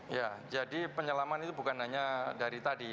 ya jadi penyelaman itu bukan hanya dari tadi